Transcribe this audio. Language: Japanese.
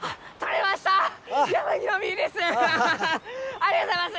ありがとうございます！